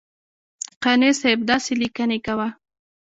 قانع صاحب داسې لیکنې کوه.